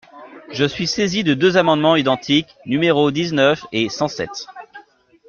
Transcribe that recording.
Je suis saisie de deux amendements identiques, numéros dix-neuf et cent sept.